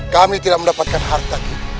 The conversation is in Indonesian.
kami tidak mendapatkan harta